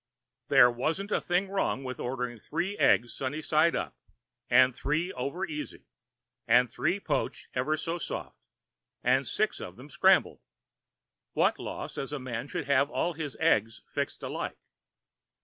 There isn't a thing wrong with ordering three eggs sunny side up, and three over easy, and three poached ever so soft, and six of them scrambled. What law says a man should have all of his eggs fixed alike?